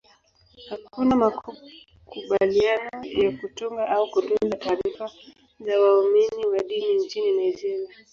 Hakuna makubaliano ya kutunga au kutunza taarifa za waumini wa dini nchini Nigeria.